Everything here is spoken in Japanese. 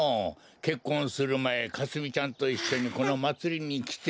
けっこんするまえかすみちゃんといっしょにこのまつりにきて。